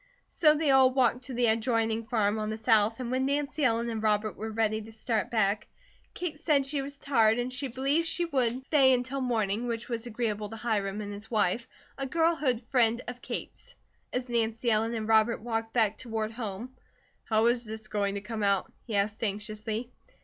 So they all walked to the adjoining farm on the south and when Nancy Ellen and Robert were ready to start back, Kate said she was tired and she believed she would stay until morning, which was agreeable to Hiram and his wife, a girlhood friend of Kate's. As Nancy Ellen and Robert walked back toward home: "How is this going to come out?" he asked, anxiously.